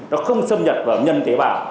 nó không xâm nhật vào nhân tế bào